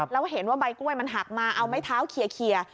แล้วเห็นว่าใบกล้วยมันหักมาเอาไม้เท้าเคลียร์